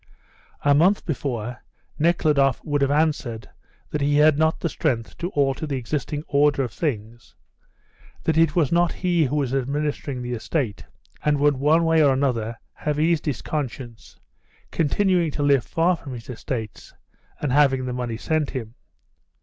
A month before Nekhludoff would have answered that he had not the strength to alter the existing order of things; that it was not he who was administering the estate; and would one way or another have eased his conscience, continuing to live far from his estates, and having the money sent him.